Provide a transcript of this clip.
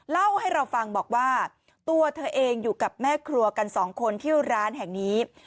เล่าให้เราฟังบอกว่าตัวเธอเองอยู่กับแม่ครัวกันสองคนที่ร้านแห่งนี้